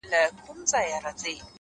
هره هڅه د راتلونکي لپاره خښته ږدي!